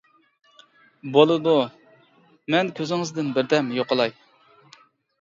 — بولىدۇ، مەن كۆزىڭىزدىن بىردەم يوقىلاي.